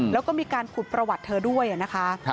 แล้วก็มีการขุดประวัติเธอด้วยนะคะ